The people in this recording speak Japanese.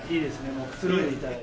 もうくつろいで頂いて。